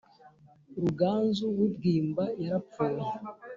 Ruganzu wi bwimba yarapfuye